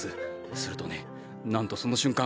するとねなんとその瞬間！